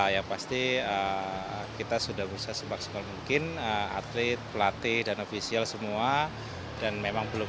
yang pasti kita sudah bisa semaksimal mungkin atlet pelatih dan ofisial semua dan memang belum